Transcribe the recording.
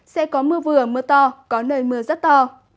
sẽ có mưa vừa mưa to có nơi mưa rất to